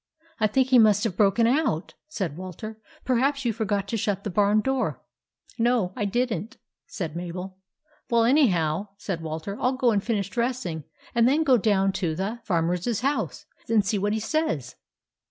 " I think he must have broken out," said Walter. " Perhaps you forgot to shut the barn door." " No, I did n't," said Mabel. "Well, anyhow," said Walter, " I'll go and finish dressing, and then go down to the Farmers house and see what he says."